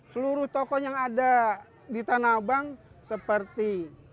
seluruh tokoh yang ada di tanah abang seperti